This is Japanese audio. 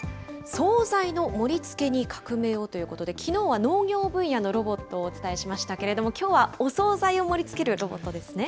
総菜の盛りつけに革命を！ということで、きのうは農業分野のロボットをお伝えしましたけれども、きょうはお総菜を盛りつけるロボットですね。